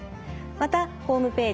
またホームページ